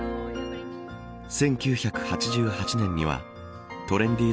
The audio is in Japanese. １９８８年にはトレンディ―